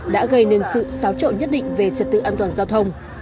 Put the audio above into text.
đã gây nên sự xáo trộn nhất định về trật tự an toàn giao thông